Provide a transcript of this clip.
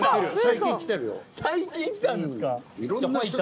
最近来たんですか。